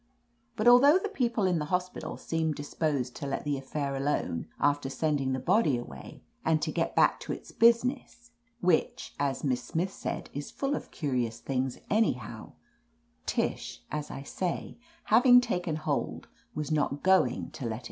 But although the peo ple in the hospital seemed disposed to let the affair alone after sending the body away, and to get back to its business, which, as Miss Smith said, is full of curious things anyhow, Tish, as I say, having taken hold, was not go ing to let go.